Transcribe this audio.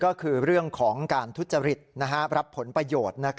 ก็คือเรื่องของการทุจริตรับผลประโยชน์